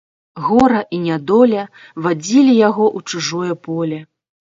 Гора і нядоля вадзілі яго ў чужое поле.